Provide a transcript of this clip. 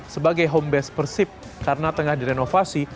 sebagai homebase persib karena tengah direnovasi